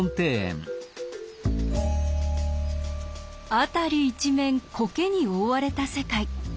辺り一面コケに覆われた世界。